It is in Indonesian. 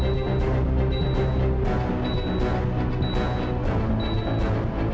semoga maknanya tak dipikirkan di dulu